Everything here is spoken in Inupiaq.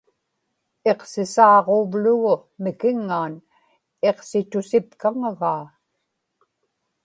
iqsisaaġuuvlugu mikiŋŋaan iqsitusipkaŋagaa